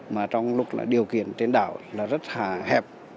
mà trong lúc là điều kiện trên đảo là rất là hẹp